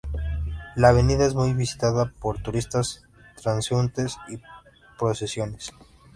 La avenida es muy visitada por turistas, transeúntes y procesiones.